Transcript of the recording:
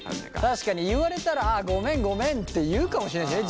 確かに言われたらああごめんごめんって言うかもしれないしね